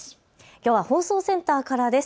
きょうは放送センターからです。